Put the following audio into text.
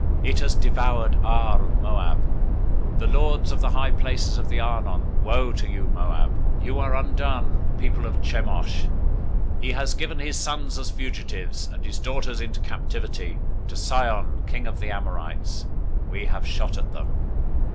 It has devoured Ar of Moab, The lords of the high places of the Arnon. 021:029 Woe to you, Moab! You are undone, people of Chemosh! He has given his sons as fugitives, and his daughters into captivity, to Sihon king of the Amorites. 021:030 We have shot at them.